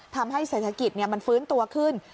ทำให้เศรษฐกิจมันฟื้นตัวขึ้น